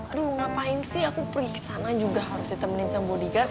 aduh ngapain sih aku pergi ke sana juga harus ditemenin sama body guard